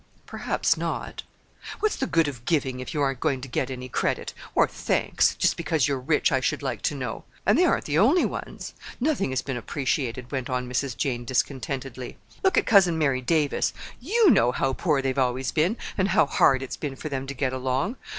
"Perhaps not." "What's the good of giving, if you aren't going to get any credit, or thanks, just because you're rich, I should like to know? And they aren't the only ones. Nothing has been appreciated," went on Mrs. Jane discontentedly. "Look at Cousin Mary Davis—you know how poor they've always been, and how hard it's been for them to get along.